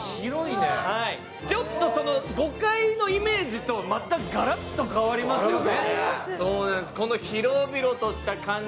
ちょっと５階のイメージとガラッと変わりますよね。